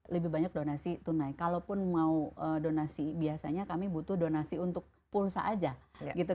lebih banyak donasi tunai kalaupun mau donasi biasanya kami butuh donasi untuk pulsa aja gitu